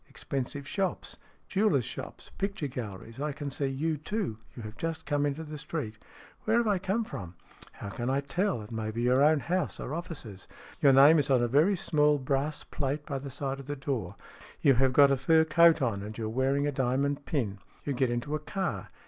Expensive shops. Jewellers' shops, picture galleries. I can see you, too. You have just come into the street." " Where have I come from ?"" How can I tell ? It may be your own house or offices. Your name is on a very small brass plate by the side of the door. You have got a fur coat on, and you are wearing a diamond pin. You get into a car.